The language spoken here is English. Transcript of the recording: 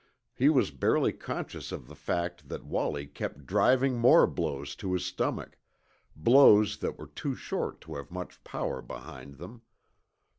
He was barely conscious of the fact that Wallie kept driving more blows to his stomach; blows that were too short to have much power behind them.